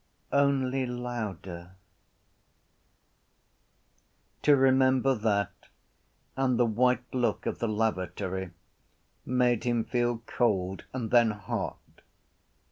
Only louder. To remember that and the white look of the lavatory made him feel cold and then hot.